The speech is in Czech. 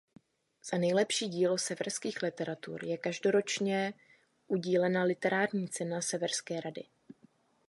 Za nejlepší dílo severských literatur je každoročně je udílena Literární cena Severské rady.